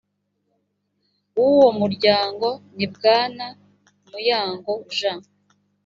w uwo muryango ni bwana muyango jean